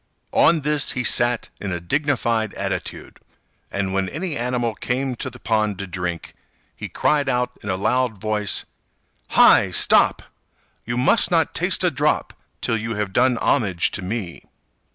On this he sat in a dignified attitude, and when any animal came to the pond to drink, he cried out in a loud voice, "Hi! stop! You must not taste a drop till you have done homage to me.